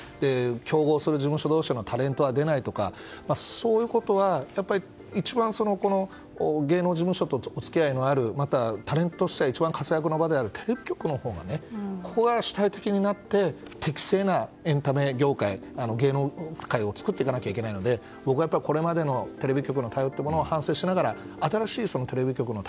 競合する事務所同士のタレントは出ないとかそういうことは一番芸能事務所とお付き合いのあるまたはタレントとして一番の活躍の場であるテレビ局のほうがここが主体的になって適正なエンタメ業界芸能界を作っていかなきゃいけないので睡眠サポート「グリナ」彼の名はペイトク